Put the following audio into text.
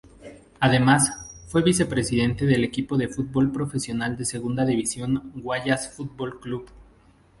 Además, fue Vicepresidente del equipo de fútbol profesional de segunda división Guayas Fútbol Club.